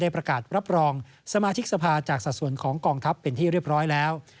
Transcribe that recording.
ประกาศรับรองสมาชิกสภาจากสัดส่วนของกองทัพเป็นที่เรียบร้อยแล้ว